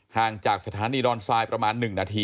ห่างจากสถานดีรอนซาย๑น